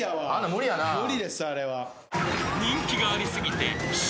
無理ですあれは。